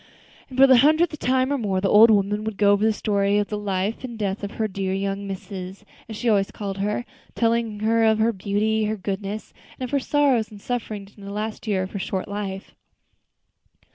And then for the hundredth time or more the old woman would go over the story of the life and death of her "dear young missus," as she always called her; telling of her beauty, her goodness, and of her sorrows and sufferings during the last year of her short life.